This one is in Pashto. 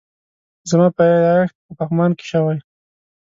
زما پيدايښت په پغمان کی شوي